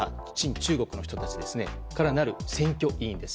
中国の人たちからなる選挙委員です。